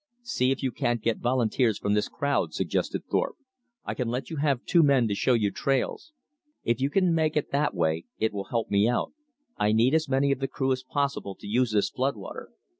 "See if you can't get volunteers from this crowd," suggested Thorpe. "I can let you have two men to show you trails. If you can make it that way, it will help me out. I need as many of the crew as possible to use this flood water."